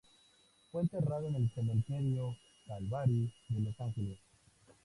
Fue enterrada en el Cementerio Calvary de Los Ángeles.